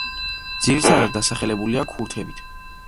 ძირითადად დასახლებულია ქურთებით.